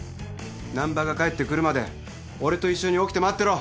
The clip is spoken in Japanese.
難破が帰ってくるまで俺と一緒に起きて待ってろ。